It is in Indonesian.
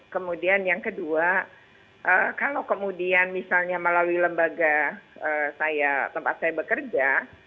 kemudian yang kedua kalau kemudian misalnya melalui lembaga tempat saya bekerja